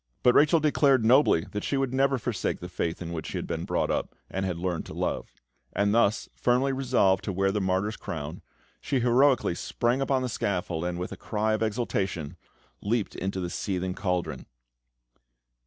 But Rachel declared nobly that she would never forsake the faith in which she had been brought up, and had learned to love; and thus firmly resolved to wear the martyr's crown, she heroically sprang upon the scaffold, and with a cry of exultation, leapt into the seething cauldron.